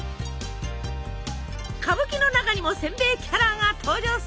歌舞伎の中にもせんべいキャラが登場するほど！